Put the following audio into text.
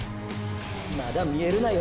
まだ見えるなよ